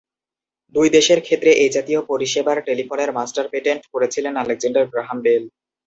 দুটি দেশের ক্ষেত্রে এই জাতীয় পরিষেবার টেলিফোনের মাস্টার পেটেন্ট করেছিলেন আলেকজান্ডার গ্রাহাম বেল।